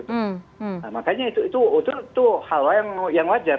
nah makanya itu hal yang wajar